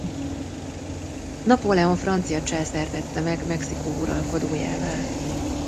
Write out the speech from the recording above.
Napóleon francia császár tette meg Mexikó uralkodójává.